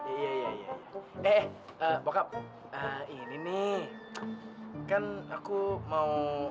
iya iya iya eh eh eh pokap ini nih kan aku mau